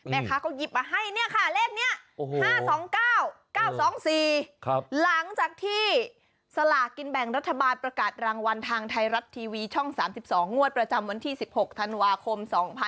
ก็หยิบมาให้เนี่ยค่ะเลขนี้๕๒๙๙๒๔หลังจากที่สลากกินแบ่งรัฐบาลประกาศรางวัลทางไทยรัฐทีวีช่อง๓๒งวดประจำวันที่๑๖ธันวาคม๒๕๖๒